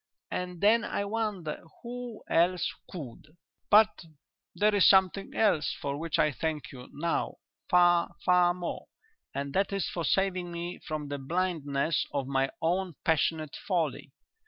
and then I wonder who else could. "But there is something else for which I thank you now far, far more, and that is for saving me from the blindness of my own passionate folly.